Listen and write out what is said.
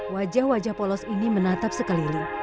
wajah wajah polos ini menatap sekeliling